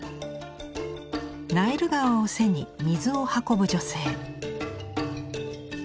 ナイル川を背に水を運ぶ女性。